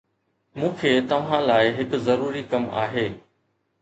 مون کي توهان لاءِ هڪ ضروري ڪم آهي